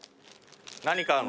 何買うの？